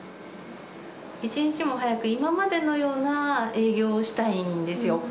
一日も早く今までのような営業をしたいんですよ。